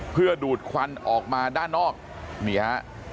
เพื่อดูดควันออกมาด้านนอกนี่ฮะ